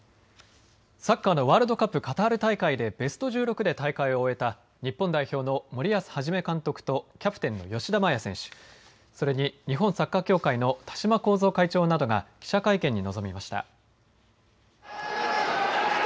サッカーのワールドカップカタール大会でベスト１６で大会を終えた日本代表の森保一監督とキャプテンの吉田麻也選手、それに日本サッカー協会の田嶋幸三会長などが記者会見に挑みました。